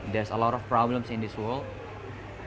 ada banyak masalah di dunia ini